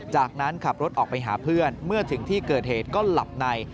จากนั้นขับรถออกไปหาเพื่อนเมื่อถึงที่เกิดเหตุก็หลับใน